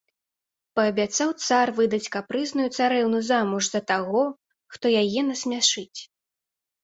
Паабяцаў цар выдаць капрызную царэўну замуж за таго, хто яе насмяшыць.